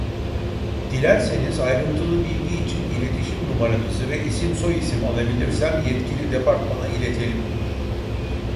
Dilerseniz ayrıntılı bilgi için iletişim numaranızı ve isim soyisim alabilirsem yetkili departmana iletelim